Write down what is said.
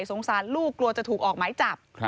สงสารลูกกลัวจะถูกออกหมายจับ